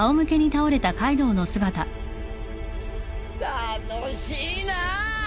楽しいなぁ！